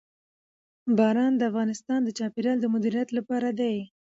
باران د افغانستان د چاپیریال د مدیریت لپاره دی.